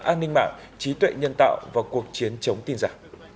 an ninh mạng trí tuệ nhân tạo và cuộc chiến chống tin giả